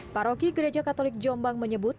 paroki gereja katolik jombang menyebut